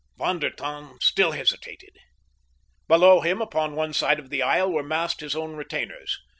Von der Tann still hesitated. Below him upon one side of the aisle were massed his own retainers.